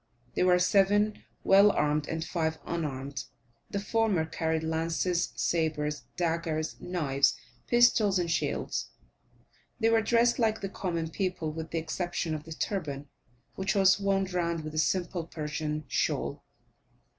There were seven well armed, and five unarmed. The former carried lances, sabres, daggers, knives, pistols, and shields; they were dressed like the common people, with the exception of the turban, which was wound round with a simple Persian shawl.